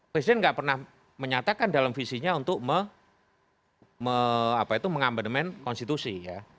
presiden gak pernah menyatakan dalam visinya untuk mengamblemen konstitusi ya